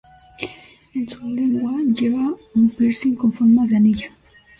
En su lengua lleva un piercing con forma de anilla.